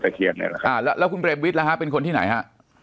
แบบแผ่งแล้วคุณเบรมวิทย์เป็นคนที่ไหนฮะ